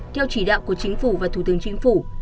theo chỉ đạo của chính phủ và thủ tướng chính phủ